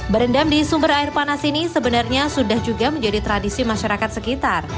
berendam di sumber air panas ini sebenarnya sudah juga menjadi tradisi masyarakat sekitar